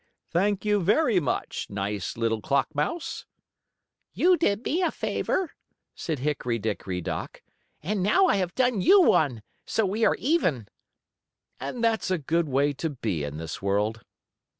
"Thank you very much, nice little clock mouse." "You did me a favor," said Hickory Dickory Dock, "and now I have done you one, so we are even." And that's a good way to be in this world.